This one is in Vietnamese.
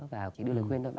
và chỉ đưa lời khuyên thôi